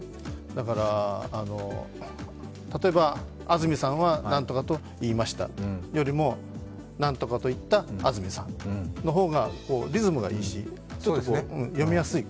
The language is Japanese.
だから、例えば安住さんはなんとかと言いました、というよりも「なんとかと言った安住さん」の方がリズムがいいし読みやすい。